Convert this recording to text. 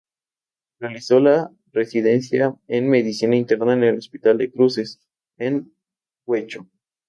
Realizó la residencia en medicina interna en el Hospital de Cruces, en Guecho.